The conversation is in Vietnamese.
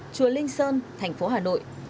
chùa linh sơn thành phố hà nội